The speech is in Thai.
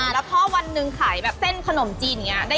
แล้วพอวันหนึ่งขายแบบเส้นขนมจีนอย่างนี้